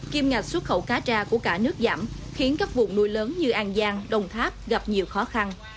kim ngạch xuất khẩu cá tra của cả nước giảm khiến các vùng nuôi lớn như an giang đồng tháp gặp nhiều khó khăn